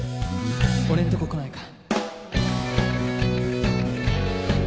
「俺んとここないか？」